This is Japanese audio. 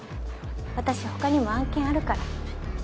私ほかにも案件あるから。